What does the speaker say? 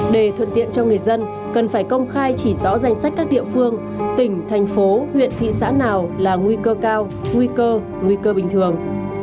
để thuận tiện cho người dân cần phải công khai chỉ rõ danh sách các địa phương tỉnh thành phố huyện thị xã nào là nguy cơ cao nguy cơ nguy cơ bình thường